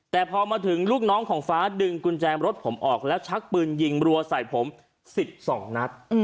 แต่พอมาถึงลูกน้องของฟ้าดึงกุญแจรถผมออกแล้วชักปืนยิงรัวใส่ผม๑๒นัด